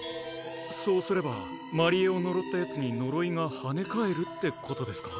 そうすれば真理恵をのろったやつにのろいがはね返るってことですか？